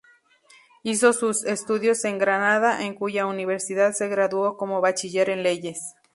Hizo sus estudios en Granada, en cuya Universidad se graduó como bachiller en leyes.